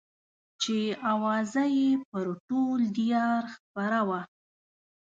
چې اوازه يې پر ټول ديار خپره وه.